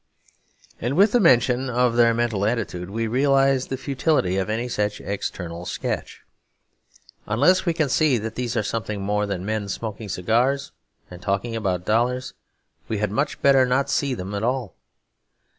And with the mention of their mental attitude we realise the futility of any such external sketch. Unless we can see that these are something more than men smoking cigars and talking about dollars we had much better not see them at all.